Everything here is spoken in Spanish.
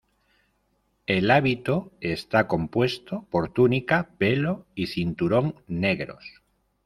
El hábito está compuesto por túnica, velo y cinturón negros.